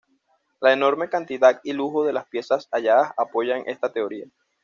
La enorme cantidad y lujo de las piezas halladas apoyan esta teoría.